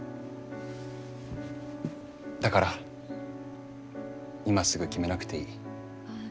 だから今すぐ決めなくていい。